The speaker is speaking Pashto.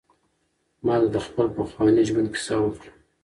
ما ته د خپل پخواني ژوند کیسه وکړه.